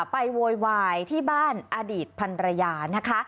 โวยวายที่บ้านอดีตพันรยานะคะ